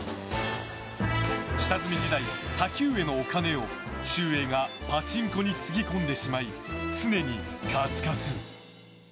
下積み時代、たきうえのお金をちゅうえいがパチンコにつぎ込んでしまい常にカツカツ。